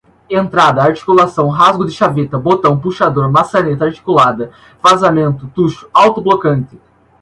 entrada, articulação, rasgo de chaveta, botão, puxador, maçaneta, articulada, vazamento, tucho, autoblocante